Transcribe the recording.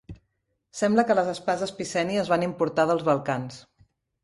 Sembla que les espases Piceni es van importar dels Balcans.